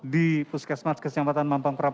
di puskesmas kecamatan mampang perapatan